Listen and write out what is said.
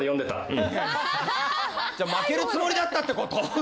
じゃあ負けるつもりだったってこと？